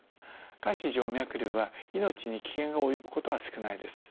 下肢静脈りゅうは命に危険が及ぶことは少ないです。